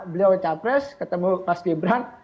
karena beliau capres ketemu mas gibran